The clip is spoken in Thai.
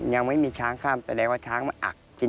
ยังไม่มีช้างข้ามแสดงว่าช้างมาอักกิน